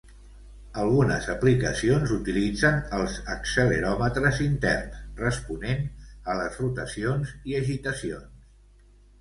Algunes aplicacions utilitzen els acceleròmetres interns responent a les rotacions i agitacions.